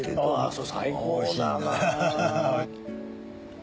それ最高だな。